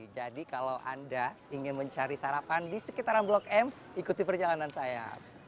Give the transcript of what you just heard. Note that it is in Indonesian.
jadi kalau anda ingin mencari sarapan di sekitar blok m ikuti perjalanan saya